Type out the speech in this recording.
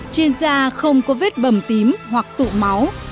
trên da không có vết bầm tím hoặc tụ máu